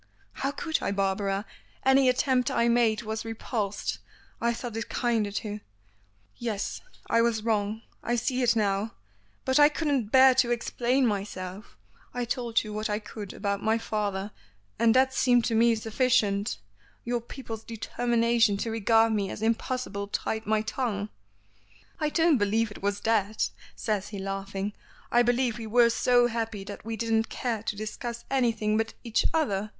"How could I, Barbara? Any attempt I made was repulsed. I thought it kinder to " "Yes I was wrong. I see it now. But I couldn't bear to explain myself. I told you what I could about my father, and that seemed to me sufficient. Your people's determination to regard me as impossible tied my tongue." "I don't believe it was that," says he laughing. "I believe we were so happy that we didn't care to discuss anything but each other.